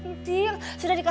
kumaha eh pak ewoknya